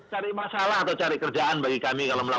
cari masalah atau cari kerjaan bagi kami kalau melakukan